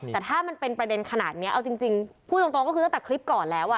แต่ถ้ามันเป็นประเด็นขนาดนี้เอาจริงพูดตรงก็คือตั้งแต่คลิปก่อนแล้ว